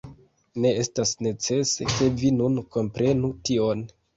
Ne estas necese, ke vi nun komprenu tion.